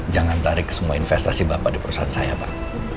jangan tarik semua investasi bapak di perusahaan saya pak